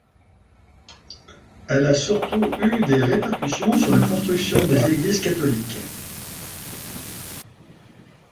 Elle a surtout eu des répercussions sur la construction des églises catholiques.